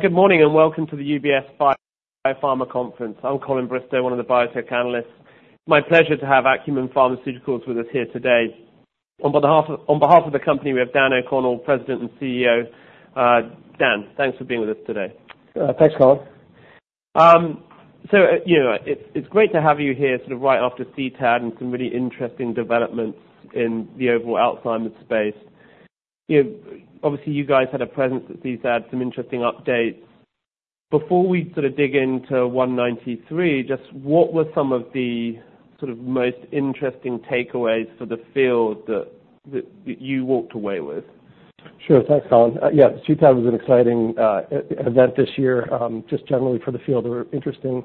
Good morning, and welcome to the UBS Biopharma conference. I'm Colin Bristow, one of the Biotech Analysts. My pleasure to have Acumen Pharmaceuticals with us here today. On behalf of, on behalf of the company, we have Dan O'Connell, President and CEO. Dan, thanks for being with us today. Thanks, Colin. So, you know, it's great to have you here sort of right after CTAD and some really interesting developments in the overall Alzheimer's space. You know, obviously, you guys had a presence at CTAD, some interesting updates. Before we sort of dig into 193, just what were some of the sort of most interesting takeaways for the field that you walked away with? Sure. Thanks, Colin. Yeah, CTAD was an exciting event this year, just generally for the field. There were interesting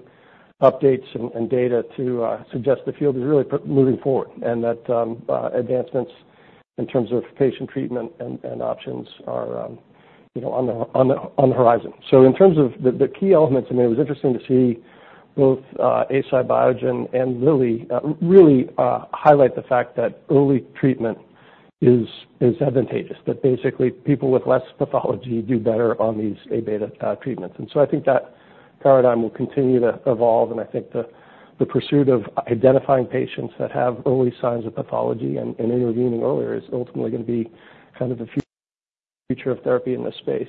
updates and data to suggest the field is really moving forward, and that advancements in terms of patient treatment and options are, you know, on the horizon. So in terms of the key elements, I mean, it was interesting to see both Eisai Biogen and Lilly really highlight the fact that early treatment is advantageous. That basically people with less pathology do better on these A-beta treatments. And so I think that paradigm will continue to evolve, and I think the pursuit of identifying patients that have early signs of pathology and intervening earlier is ultimately gonna be kind of the future of therapy in this space.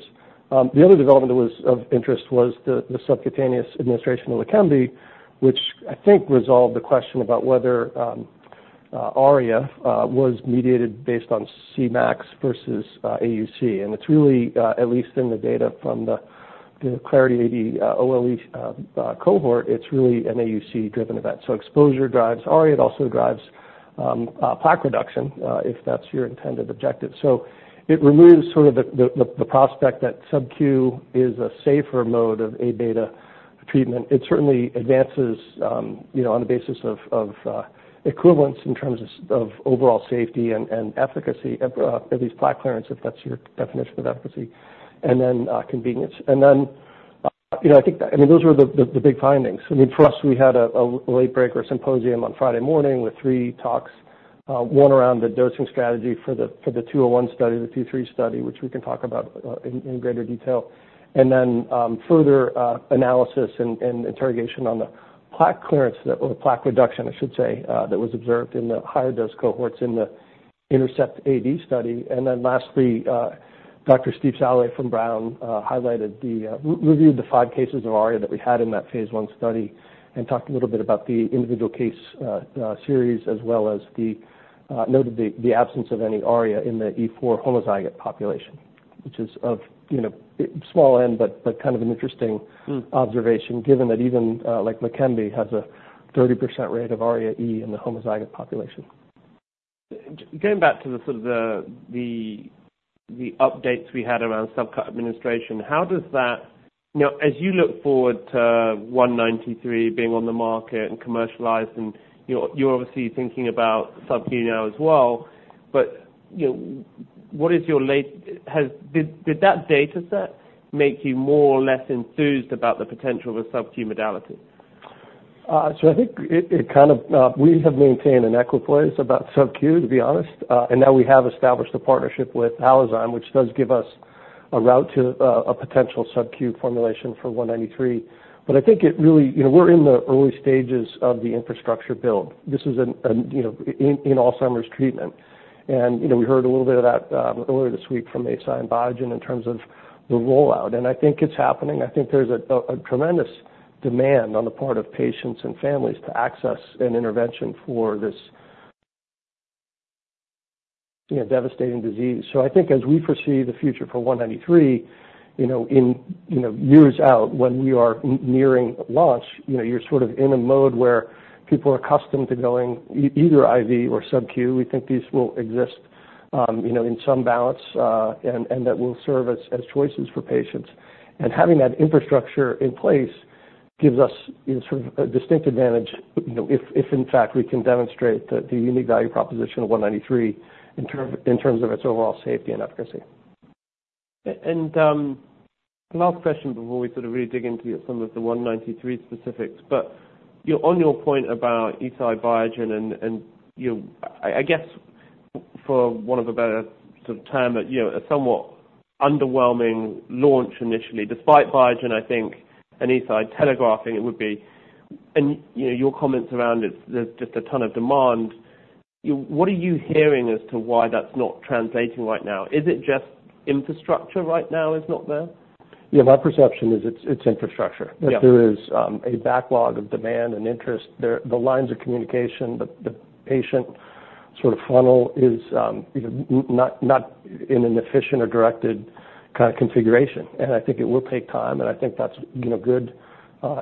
The other development that was of interest was the subcutaneous administration of Leqembi, which I think resolved the question about whether ARIA was mediated based on Cmax versus AUC. And it's really, at least in the data from the Clarity AD OLE cohort, it's really an AUC-driven event. So exposure drives ARIA, it also drives plaque reduction if that's your intended objective. So it removes sort of the prospect that SubQ is a safer mode of A-beta treatment. It certainly advances, you know, on the basis of equivalence in terms of overall safety and efficacy, at least plaque clearance, if that's your definition of efficacy, and then, you know, I think, I mean, those were the big findings. I mean, for us, we had a late breaker symposium on Friday morning with three talks. One around the dosing strategy for the 201 study, the 2/3 study, which we can talk about in greater detail. And then, further analysis and interrogation on the plaque clearance or the plaque reduction, I should say, that was observed in the higher dose cohorts in the INTERCEPT-AD study. And then lastly, Dr. Stephen Salloway from Brown highlighted the... reviewed the five cases of ARIA that we had in that Phase 1 study and talked a little bit about the individual case series, as well as noted the absence of any ARIA in the E4 homozygote population, which is of, you know, small n, but kind of an interesting- Mm. observation, given that even, like Leqembi, has a 30% rate of ARIA-E in the homozygote population. Going back to the sort of updates we had around SubQ administration, how does that... You know, as you look forward to 193 being on the market and commercialized, and you're obviously thinking about SubQ now as well, but, you know, what is your latest? Did that data set make you more or less enthused about the potential of a SubQ modality? So I think it kind of we have maintained an equipoise about SubQ, to be honest. And now we have established a partnership with Halozyme, which does give us a route to a potential SubQ formulation for 193. But I think it really, you know, we're in the early stages of the infrastructure build. This is an, you know, in Alzheimer's treatment. And, you know, we heard a little bit of that earlier this week from Eisai and Biogen in terms of the rollout. And I think it's happening. I think there's a tremendous demand on the part of patients and families to access an intervention for this, you know, devastating disease. I think as we foresee the future for 193, you know, in, you know, years out when we are nearing launch, you know, you're sort of in a mode where people are accustomed to going either IV or SubQ. We think these will exist, you know, in some balance, and that will serve as choices for patients. Having that infrastructure in place gives us sort of a distinct advantage, you know, if in fact we can demonstrate the unique value proposition of 193 in terms of its overall safety and efficacy. Last question before we sort of really dig into some of the 193 specifics. But, you know, on your point about Eisai, Biogen and, you know, I guess for want of a better sort of term, but you know, a somewhat underwhelming launch initially, despite Biogen, I think, and Eisai telegraphing, it would be... You know, your comments around it, there's just a ton of demand. What are you hearing as to why that's not translating right now? Is it just infrastructure right now is not there? Yeah, my perception is it's infrastructure. Yeah. That there is a backlog of demand and interest. The lines of communication, the patient sort of funnel is, you know, not in an efficient or directed kind of configuration. And I think it will take time, and I think that's, you know, good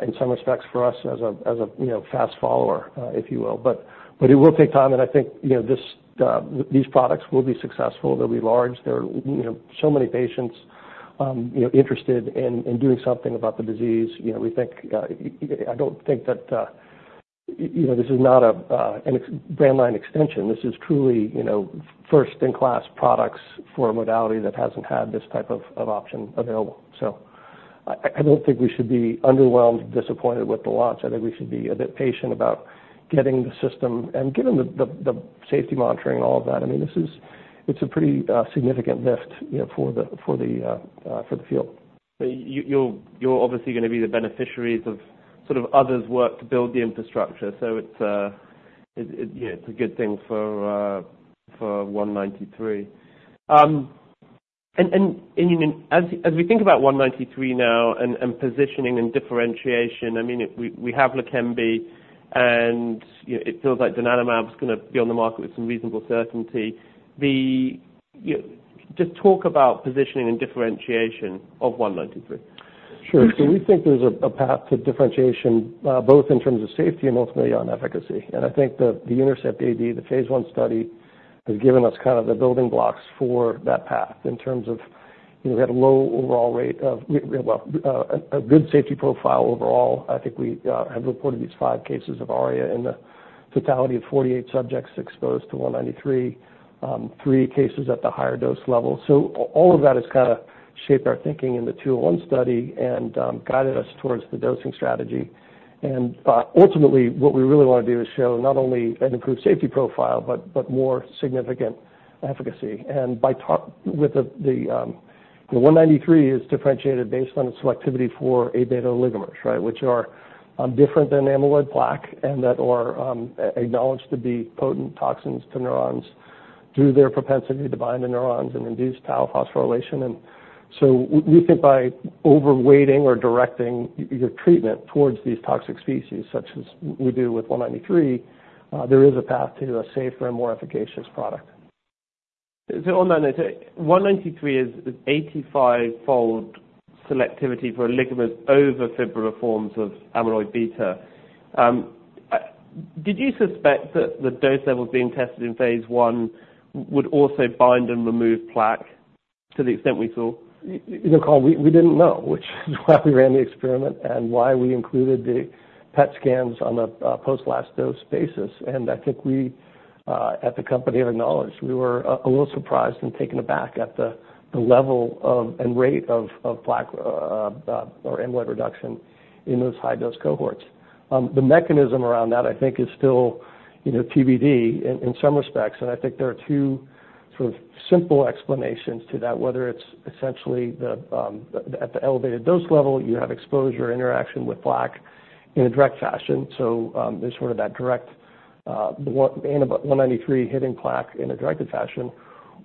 in some respects for us as a, you know, fast follower, if you will. But it will take time, and I think, you know, this, these products will be successful. They'll be large. There are, you know, so many patients, you know, interested in doing something about the disease. You know, we think, I don't think that, you know, this is not a, an existing brand line extension. This is truly, you know, first-in-class products for a modality that hasn't had this type of option available. So I don't think we should be underwhelmed, disappointed with the launch. I think we should be a bit patient about getting the system, and given the safety monitoring and all of that, I mean, this is, it's a pretty significant lift, you know, for the field.... So you're obviously gonna be the beneficiaries of sort of others' work to build the infrastructure, so it's yeah, it's a good thing for 193. And as we think about 193 now and positioning and differentiation, I mean, we have Leqembi, and you know, it feels like donanemab is gonna be on the market with some reasonable certainty. You just talk about positioning and differentiation of 193. Sure. So we think there's a path to differentiation, both in terms of safety and ultimately on efficacy. And I think the INTERCEPT-AD, the Phase 1 study, has given us kind of the building blocks for that path in terms of, you know, we had a low overall rate of, well, a good safety profile overall. I think we have reported these 5 cases of ARIA in the totality of 48 subjects exposed to 193, 3 cases at the higher dose level. So all of that has kinda shaped our thinking in the 201 study and, guided us towards the dosing strategy. And, ultimately, what we really wanna do is show not only an improved safety profile, but more significant efficacy. And the ACU193 is differentiated based on its selectivity for Aβ oligomers, right? Which are different than amyloid plaque, and that are acknowledged to be potent toxins to neurons through their propensity to bind the neurons and induce tau phosphorylation. And so we think by overweighting or directing your treatment towards these toxic species, such as we do with ACU193, there is a path to a safer and more efficacious product. On that note, 193 is 85-fold selectivity for oligomers over fibrillar forms of amyloid beta. Did you suspect that the dose levels being tested in Phase 1 would also bind and remove plaque to the extent we saw? You know, Colin, we didn't know, which is why we ran the experiment and why we included the PET scans on a post-last dose basis. I think we at the company acknowledged we were a little surprised and taken aback at the level of and rate of plaque or amyloid reduction in those high dose cohorts. The mechanism around that, I think, is still, you know, TBD in some respects. I think there are two sort of simple explanations to that, whether it's essentially at the elevated dose level, you have exposure, interaction with plaque in a direct fashion. So, there's sort of that direct ACU193 hitting plaque in a directed fashion,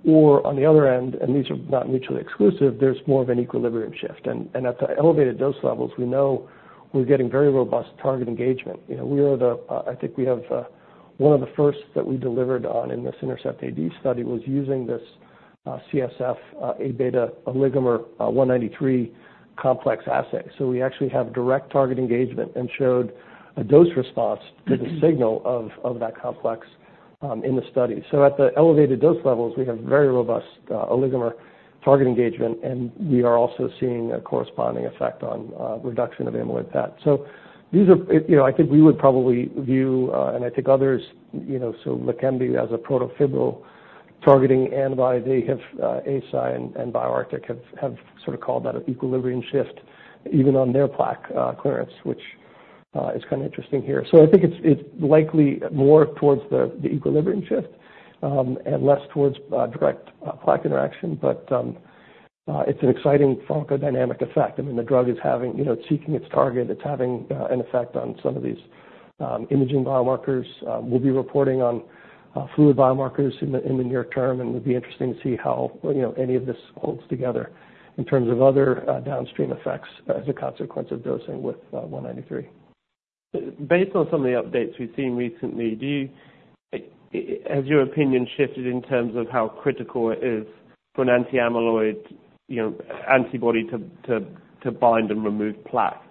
or on the other end, and these are not mutually exclusive, there's more of an equilibrium shift. At the elevated dose levels, we know we're getting very robust target engagement. You know, we are the, I think we have, one of the first that we delivered on in this INTERCEPT-AD study was using this, CSF, A-beta oligomer, 193 complex assay. So we actually have direct target engagement and showed a dose response to the signal of, of that complex, in the study. So at the elevated dose levels, we have very robust, oligomer target engagement, and we are also seeing a corresponding effect on, reduction of amyloid PET. So these are, it, you know, I think we would probably view, and I think others, you know, so Leqembi as a protofibril targeting antibody. They have, Eisai and BioArctic have sort of called that an equilibrium shift, even on their plaque clearance, which is kinda interesting here. So I think it's likely more towards the equilibrium shift, and less towards direct plaque interaction. But it's an exciting pharmacodynamic effect. I mean, the drug is having, you know, it's seeking its target. It's having an effect on some of these imaging biomarkers. We'll be reporting on fluid biomarkers in the near term, and it'll be interesting to see how, you know, any of this holds together in terms of other downstream effects as a consequence of dosing with 193. Based on some of the updates we've seen recently, do you, has your opinion shifted in terms of how critical it is for an anti-amyloid, you know, antibody to bind and remove plaque?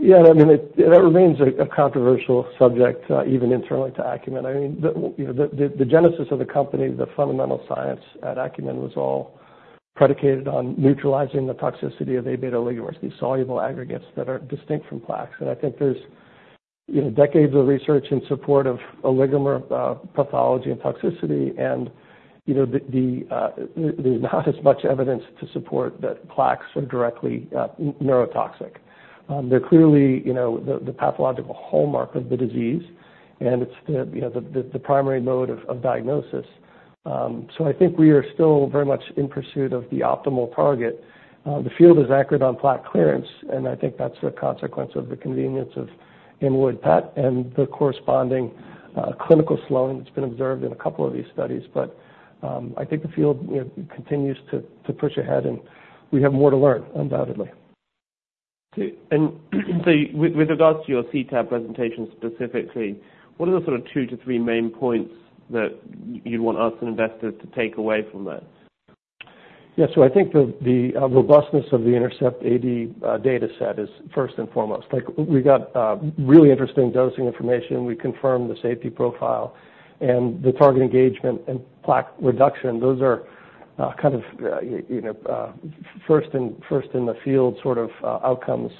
Yeah, I mean, it, that remains a controversial subject, even internally to Acumen. I mean, you know, the genesis of the company, the fundamental science at Acumen was all predicated on neutralizing the toxicity of Aβ oligomers, these soluble aggregates that are distinct from plaques. And I think there's, you know, decades of research in support of oligomer pathology and toxicity, and, you know, there's not as much evidence to support that plaques are directly neurotoxic. They're clearly, you know, the pathological hallmark of the disease, and it's, you know, the primary mode of diagnosis. So I think we are still very much in pursuit of the optimal target. The field is anchored on plaque clearance, and I think that's a consequence of the convenience of amyloid PET and the corresponding clinical slowing that's been observed in a couple of these studies. But I think the field, you know, continues to push ahead, and we have more to learn, undoubtedly. Okay. And so with regards to your CTAD presentation specifically, what are the sort of 2-3 main points that you'd want us and investors to take away from that? Yeah, so I think the robustness of the INTERCEPT-AD dataset is first and foremost. Like, we got really interesting dosing information. We confirmed the safety profile and the target engagement and plaque reduction. Those are kind of, you know, first in the field, sort of outcomes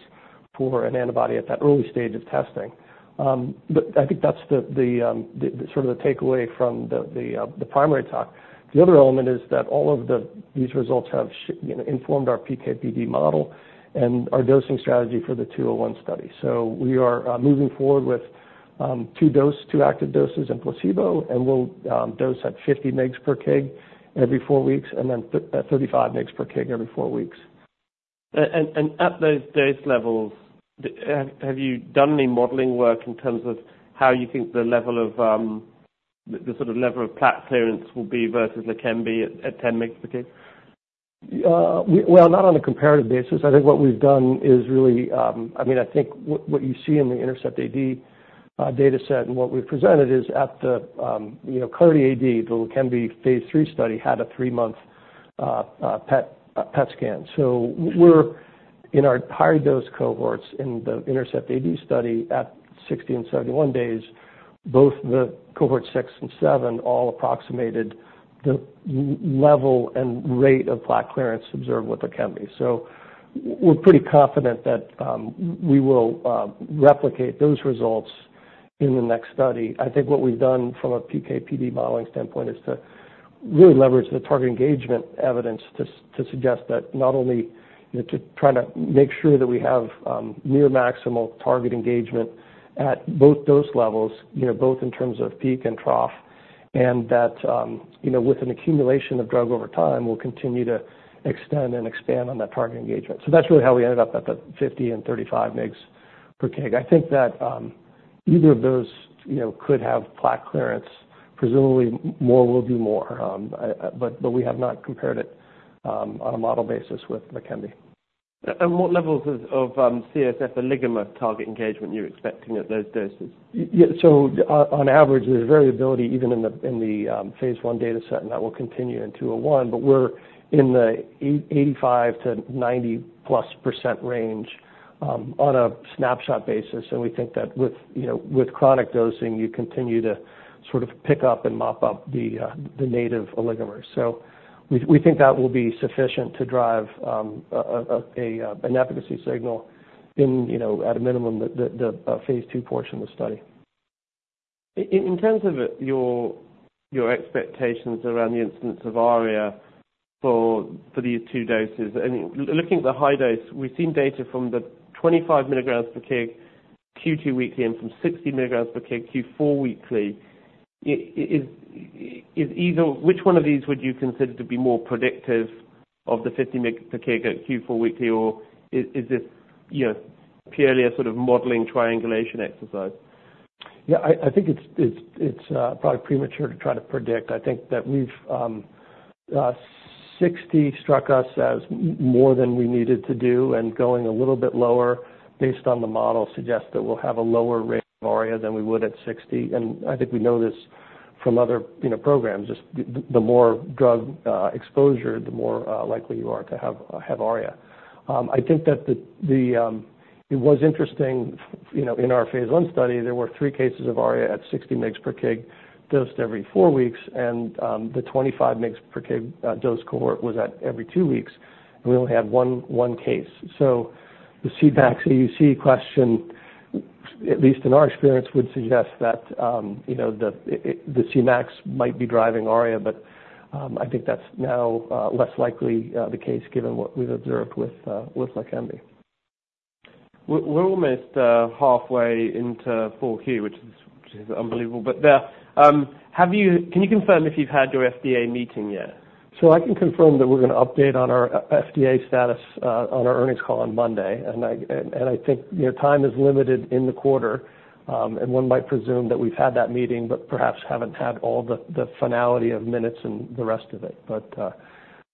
for an antibody at that early stage of testing. But I think that's the sort of takeaway from the primary talk. The other element is that all of these results have, you know, informed our PK/PD model and our dosing strategy for the 201 study. So we are moving forward with-... Two doses, two active doses and placebo, and we'll dose at 50 mgs per kg every 4 weeks, and then at 35 mgs per kg every 4 weeks. At those dose levels, have you done any modeling work in terms of how you think the level of the sort of level of plaque clearance will be versus Leqembi at 10 mgs per kg? Well, not on a comparative basis. I think what we've done is really, I mean, I think what you see in the INTERCEPT-AD data set, and what we've presented is at the, you know, Clarity AD, the Leqembi Phase 3 study had a 3-month PET scan. So we're in our high dose cohorts in the INTERCEPT-AD study at 60 and 71 days, both the cohort 6 and 7 all approximated the level and rate of plaque clearance observed with Leqembi. So we're pretty confident that we will replicate those results in the next study. I think what we've done from a PK/PD modeling standpoint is to really leverage the target engagement evidence to suggest that not only, you know, to try to make sure that we have near maximal target engagement at both dose levels, you know, both in terms of peak and trough, and that, you know, with an accumulation of drug over time, we'll continue to extend and expand on that target engagement. So that's really how we ended up at the 50 and 35 mg per kg. I think that either of those, you know, could have plaque clearance. Presumably, more will do more. But we have not compared it on a model basis with Leqembi. And what levels of CSF oligomer target engagement are you expecting at those doses? Yeah, so on average, there's variability even in the, in the Phase 1 data set, and that will continue in Phase 2, but we're in the 85%-90%+ range on a snapshot basis. And we think that with, you know, with chronic dosing, you continue to sort of pick up and mop up the native oligomers. So we think that will be sufficient to drive an efficacy signal in, you know, at a minimum, the Phase 2 portion of the study. In terms of your expectations around the incidence of ARIA for these two doses, and looking at the high dose, we've seen data from the 25 milligrams per kg Q2 weekly, and from 60 milligrams per kg Q4 weekly. Is either which one of these would you consider to be more predictive of the 50 mg per kg at Q4 weekly, or is this, you know, purely a sort of modeling triangulation exercise? Yeah, I think it's probably premature to try to predict. I think that we've 60 struck us as more than we needed to do, and going a little bit lower, based on the model, suggests that we'll have a lower rate of ARIA than we would at 60. And I think we know this from other, you know, programs, just the more drug exposure, the more likely you are to have ARIA. I think that the... It was interesting, you know, in our Phase 1 study, there were three cases of ARIA at 60 mg per kg dosed every four weeks, and the 25 mg per kg dose cohort was at every two weeks, and we only had one case. So the Cmax AUC question, at least in our experience, would suggest that, you know, the Cmax might be driving ARIA, but I think that's now less likely the case given what we've observed with Leqembi. We're almost halfway into 4Q, which is unbelievable. But, have you? Can you confirm if you've had your FDA meeting yet? So I can confirm that we're gonna update on our FDA status on our earnings call on Monday. And I think, you know, time is limited in the quarter, and one might presume that we've had that meeting, but perhaps haven't had all the finality of minutes and the rest of it. But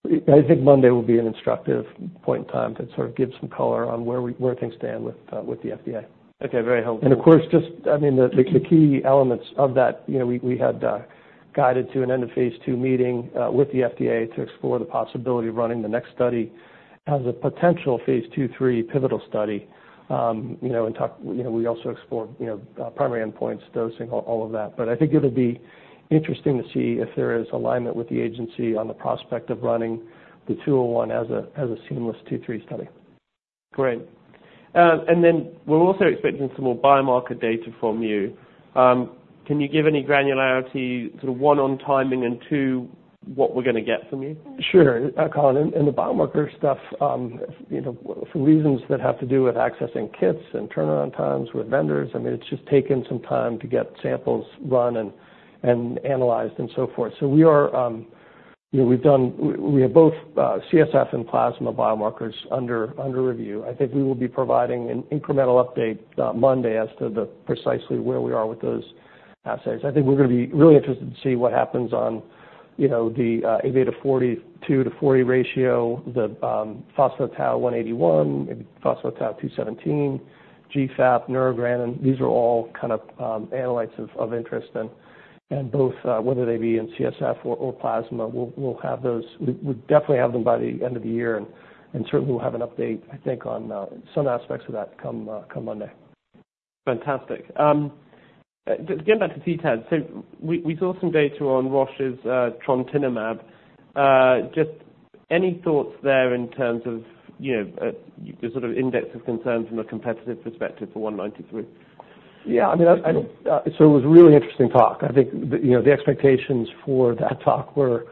I think Monday will be an instructive point in time to sort of give some color on where things stand with the FDA. Okay, very helpful. And of course, I mean, the key elements of that, you know, we had guided to an end of Phase 2 meeting with the FDA to explore the possibility of running the next study as a potential Phase 2/3 pivotal study. You know, we also explored, you know, primary endpoints, dosing, all of that. But I think it'll be interesting to see if there is alignment with the agency on the prospect of running the 201 as a seamless 2/3 study. Great. And then we're also expecting some more biomarker data from you. Can you give any granularity, sort of one, on timing, and two, what we're gonna get from you? Sure, Colin. And the biomarker stuff, you know, for reasons that have to do with accessing kits and turnaround times with vendors, I mean, it's just taken some time to get samples run and analyzed and so forth. So we are, you know, we have both CSF and plasma biomarkers under review. I think we will be providing an incremental update, Monday, as to the precisely where we are with those assays. I think we're gonna be really interested to see what happens on, you know, the Aβ42/Aβ40 ratio, the phospho-tau 181, maybe phospho-tau 217, GFAP, neurogranin. These are all kind of analytes of interest, and both, whether they be in CSF or plasma, we'll have those. We'll definitely have them by the end of the year, and certainly we'll have an update, I think, on some aspects of that come Monday. Fantastic. Just getting back to CTAD, so we saw some data on Roche's trontinemab. Just any thoughts there in terms of, you know, the sort of index of concern from a competitive perspective for 193? Yeah, I mean, so it was a really interesting talk. I think, you know, the expectations for that talk were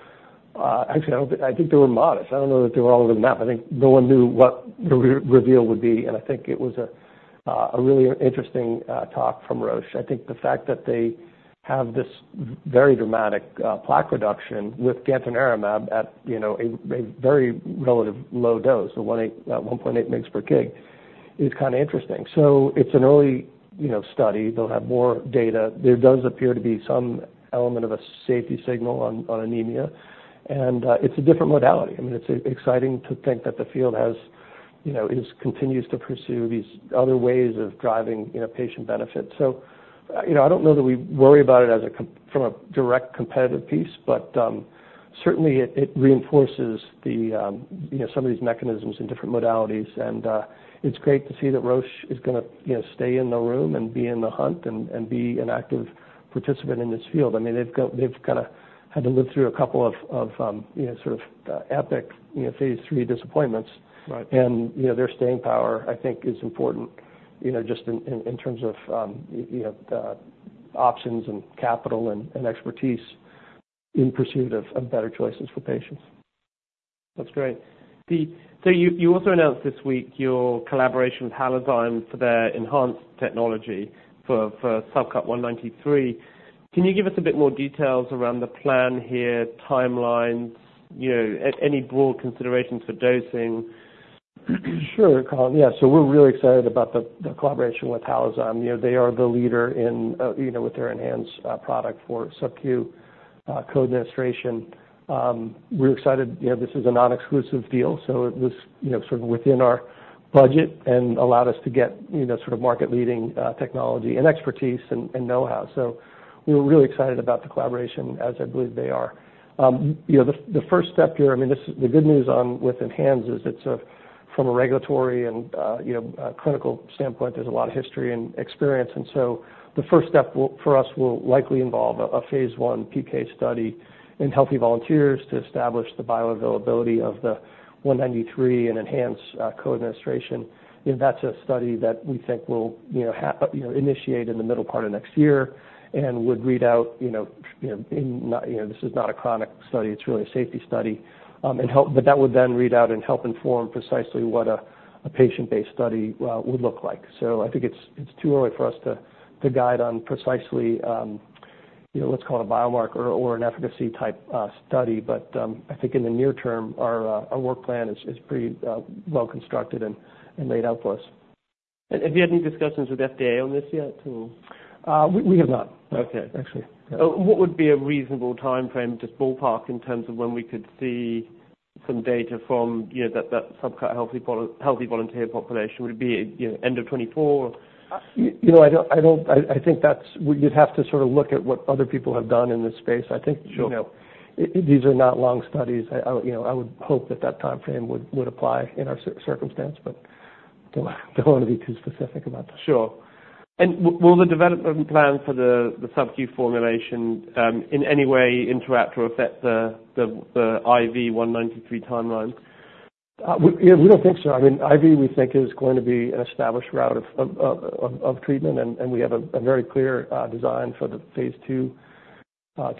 modest. Actually, I don't think I think they were modest. I don't know that they were all over the map. I think no one knew what the reveal would be, and I think it was a really interesting talk from Roche. I think the fact that they have this very dramatic plaque reduction with gantenerumab at, you know, a very relatively low dose, 1.8 mg per kg, is kind of interesting. So it's an early, you know, study. They'll have more data. There does appear to be some element of a safety signal on anemia, and it's a different modality. I mean, it's exciting to think that the field has, you know, continues to pursue these other ways of driving, you know, patient benefit. So, you know, I don't know that we worry about it as a from a direct competitive piece, but certainly it reinforces the, you know, some of these mechanisms in different modalities. And it's great to see that Roche is gonna, you know, stay in the room and be in the hunt and be an active participant in this field. I mean, they've kinda had to live through a couple of, you know, sort of epic, you know, Phase 3 disappointments. Right. You know, their staying power, I think, is important, you know, just in terms of you have options and capital and expertise in pursuit of better choices for patients. That's great. So you also announced this week your collaboration with Halozyme for their ENHANZE technology for subcutaneous ACU193. Can you give us a bit more details around the plan here, timelines, you know, any broad considerations for dosing? Sure, Colin. Yeah, so we're really excited about the collaboration with Halozyme. You know, they are the leader in, you know, with their ENHANZE product for SubQ co-administration. We're excited. You know, this is a non-exclusive deal, so it was, you know, sort of within our budget and allowed us to get, you know, sort of market-leading technology and expertise and know-how. So we're really excited about the collaboration, as I believe they are. You know, the first step here, I mean, this. The good news with ENHANZE is it's from a regulatory and, you know, clinical standpoint, there's a lot of history and experience. So the first step will, for us, likely involve a Phase 1 PK study in healthy volunteers to establish the bioavailability of the ACU193 and ENHANZE co-administration. That's a study that we think will, you know, you know, initiate in the middle part of next year and would read out, you know, you know, you know, this is not a chronic study, it's really a safety study. But that would then read out and help inform precisely what a patient-based study would look like. So I think it's, it's too early for us to, to guide on precisely, you know, let's call it a biomarker or an efficacy-type study. But I think in the near term, our, our work plan is, is pretty, well-constructed and, and laid out for us. Have you had any discussions with FDA on this yet, or? We have not- Okay. -actually. What would be a reasonable timeframe, just ballpark, in terms of when we could see some data from, you know, that SubQ healthy volunteer population? Would it be, you know, end of 2024? You know, I don't. I think that's, well, you'd have to sort of look at what other people have done in this space. I think- Sure. You know, these are not long studies. I, you know, I would hope that that timeframe would apply in our circumstance, but don't want to be too specific about that. Sure. And will the development plan for the SubQ formulation in any way interact or affect the IV 193 timeline? Yeah, we don't think so. I mean, IV, we think, is going to be an established route of treatment, and we have a very clear design for the Phase 2,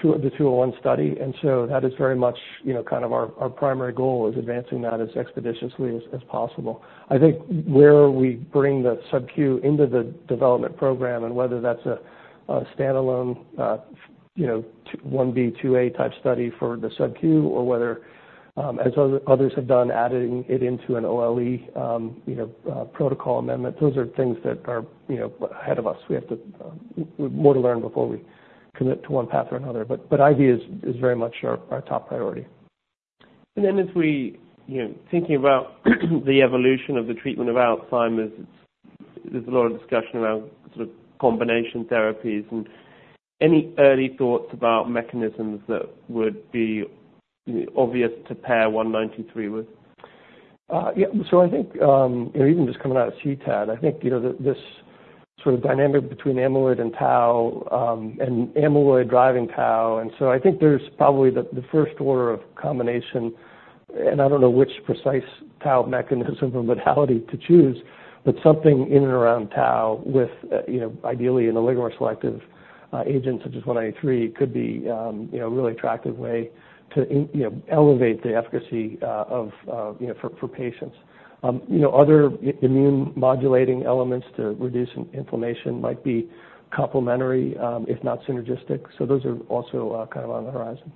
201 study. And so that is very much, you know, kind of our primary goal is advancing that as expeditiously as possible. I think where we bring the SubQ into the development program and whether that's a standalone, you know, 1B 2A-type study for the SubQ or whether, as others have done, adding it into an OLE, you know, protocol amendment, those are things that are, you know, ahead of us. We have more to learn before we commit to one path or another, but IV is very much our top priority. And then as we, you know, thinking about the evolution of the treatment of Alzheimer's, there's a lot of discussion around sort of combination therapies. Any early thoughts about mechanisms that would be, you know, obvious to pair 193 with? Yeah, so I think, you know, even just coming out of CTAD, I think, you know, the, this sort of dynamic between amyloid and tau, and amyloid driving tau, and so I think there's probably the, the first order of combination, and I don't know which precise tau mechanism or modality to choose, but something in and around tau with, you know, ideally an oligomer-selective agent, such as 193, could be, you know, a really attractive way to elevate the efficacy of, you know, for, for patients. You know, other immune-modulating elements to reduce inflammation might be complementary, if not synergistic, so those are also kind of on the horizon.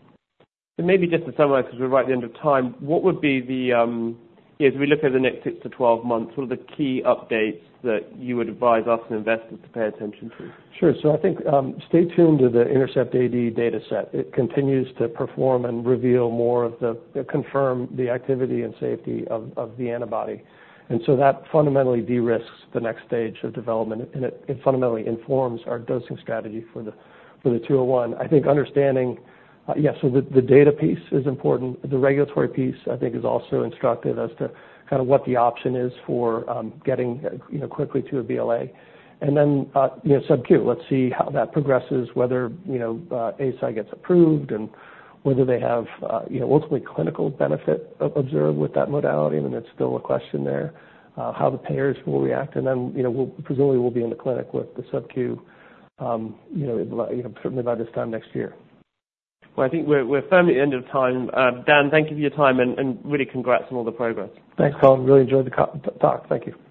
Maybe just to summarize, because we're right at the end of time, what would be the, you know, as we look at the next 6-12 months, what are the key updates that you would advise us and investors to pay attention to? Sure. So I think, stay tuned to the INTERCEPT-AD dataset. It continues to perform and reveal more of the, confirm the activity and safety of the antibody, and so that fundamentally de-risks the next stage of development, and it fundamentally informs our dosing strategy for the 201. I think understanding, so the data piece is important. The regulatory piece, I think, is also instructive as to kind of what the option is for getting, you know, quickly to a BLA. And then, you know, SubQ, let's see how that progresses, whether, you know, Eisai gets approved and whether they have, you know, ultimately clinical benefit observed with that modality, and it's still a question there, how the payers will react. And then, you know, we'll presumably will be in the clinic with the SubQ, you know, you know, certainly by this time next year. Well, I think we're firmly at the end of time. Dan, thank you for your time, and really congrats on all the progress. Thanks, Colin. Really enjoyed the talk. Thank you.